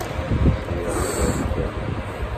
Sriɣ ugar n tallunt.